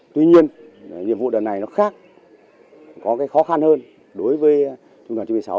tuy nhiên nhiệm vụ đợt này nó khác có cái khó khăn hơn đối với trung đoàn chín mươi sáu